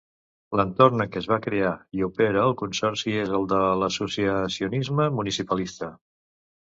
L'entorn en què es va crear i opera el Consorci és el de l'associacionisme municipalista.